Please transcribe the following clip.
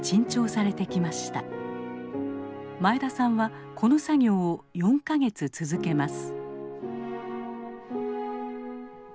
前田さんはこの作業を４か月続けます。